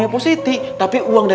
ke ara su b waiting